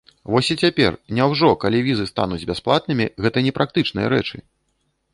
Вось і цяпер, няўжо, калі візы стануць бясплатнымі, гэта не практычныя рэчы?